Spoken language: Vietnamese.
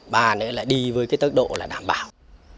ba nữa là đi với cái tốc độ là đảm bảo